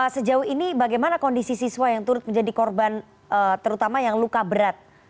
sejauh ini bagaimana kondisi siswa yang turut menjadi korban terutama yang luka berat